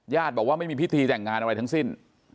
บอกว่าไม่มีพิธีแต่งงานอะไรทั้งสิ้น